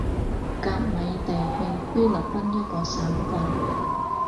甲米地係菲律賓一個省份